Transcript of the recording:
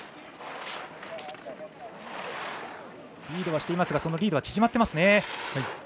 リードはしていますが縮まっています。